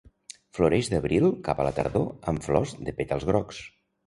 Floreix d'abril cap a la tardor amb flors de pètals grocs.